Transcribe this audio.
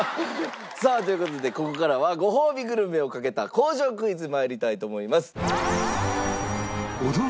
さあという事でここからはごほうびグルメをかけた工場クイズ参りたいと思います。